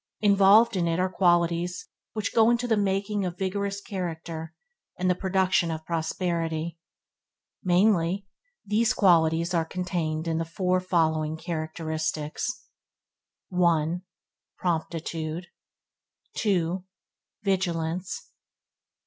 Involved in it are qualities which go to the making of vigorous character and the production of prosperity. Mainly, these qualities are contained in the four following characteristics: 1. Promptitude 2. Vigilance 3.